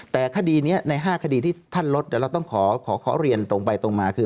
แต่คดีนี้ใน๕คดีที่ท่านลดเดี๋ยวเราต้องขอเรียนตรงไปตรงมาคือ